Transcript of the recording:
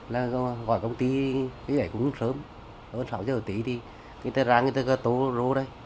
là gọi công ty cái để cũng sớm hơn sáu giờ tí thì người ta ra người ta cơ tố rô đây